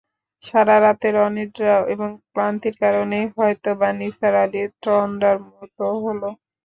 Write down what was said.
সারা রাতের অনিদ্রা এবং ক্লাস্তির কারণেই হয়তো-বা নিসার আলির তন্দ্রার মতো হল।